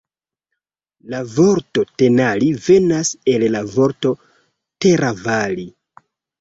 La vorto Tenali venas el la vorto Teravali.